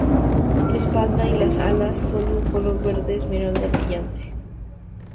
La espalda y las alas son de un color verde esmeralda brillante.